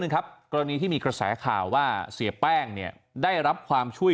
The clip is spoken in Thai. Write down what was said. ครับกรณีที่มีกระแสข่าวว่าเสียแป้งเนี่ยได้รับความช่วย